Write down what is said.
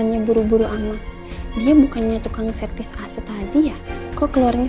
ya udah pasti ada nih